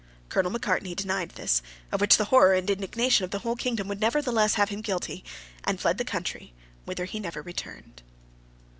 Colonel Macartney denied this, of which the horror and indignation of the whole kingdom would nevertheless have him guilty, and fled the country, whither he never returned.